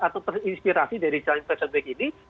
atau terinspirasi dari cita investment bank ini